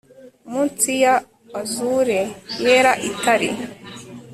Munsi ya azure yera itara